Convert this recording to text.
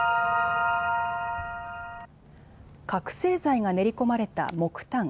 覚醒剤が練り込まれた木炭。